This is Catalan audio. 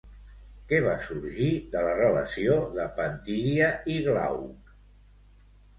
Què va sorgir de la relació de Pantidia i Glauc?